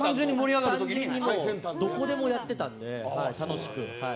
どこでもやってたので、楽しく。